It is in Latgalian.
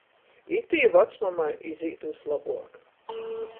Itī vacmamai izīt vyslobuok.